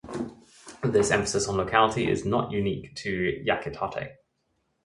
This emphasis on locality is not unique to Yakitate!!